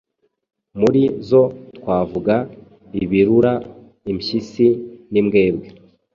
Muri zo twavuga ibirura, impyisi n’imbwebwe.